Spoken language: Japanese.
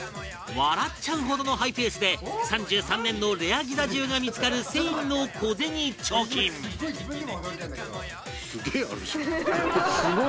笑っちゃうほどのハイペースで３３年のレアギザ１０が見付かるセインの小銭貯金芦田：すごい！